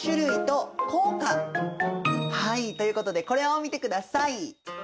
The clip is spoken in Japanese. はいということでこれを見てください。